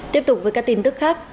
tiếp tục với các tin tức khác